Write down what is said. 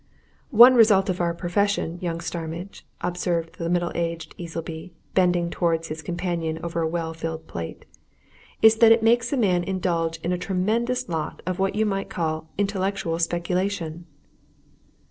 "One result of our profession, young Starmidge," observed the middle aged Easleby, bending towards his companion over a well filled plate, "is that it makes a man indulge in a tremendous lot of what you might call intellectual speculation!"